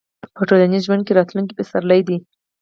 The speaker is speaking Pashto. په ټولنیز ژوند کې راتلونکي پسرلي دي.